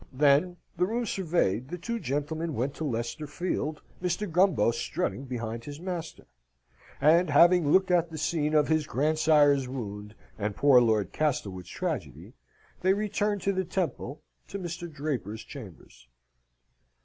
Then, the rooms surveyed, the two gentlemen went to Leicester Field, Mr. Gumbo strutting behind his master: and, having looked at the scene of his grandsire's wound, and poor Lord Castlewood's tragedy, they returned to the Temple to Mr. Draper's chambers.